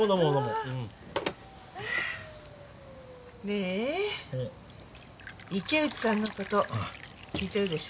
ねえ池内さんの事聞いてるでしょ？